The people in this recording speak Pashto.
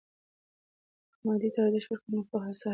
که مادیې ته ارزښت ورکوو، نو پوهه ساه نیسي.